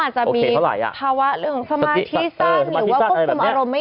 จะมีภาวะเรื่องของสมาธิสร้างหรือว่าควบคุมอารมณ์ไม่